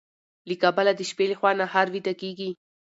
له کبله د شپې لخوا نهر ويده کيږي.